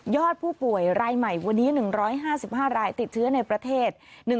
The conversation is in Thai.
ผู้ป่วยรายใหม่วันนี้๑๕๕รายติดเชื้อในประเทศ